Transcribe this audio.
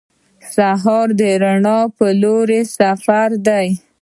سهار د رڼا په لور سفر دی.